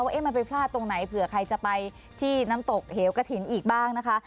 ว่ามันไปพลาดตรงไหนเผื่อใครจะไปที่น้ำตกเหวกระถิ่นอีกบ้างนะคะ